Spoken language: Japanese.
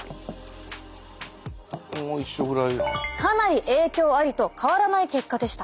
かなり影響ありと変わらない結果でした。